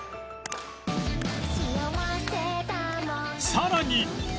さらに